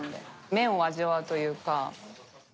麺を味わうというか。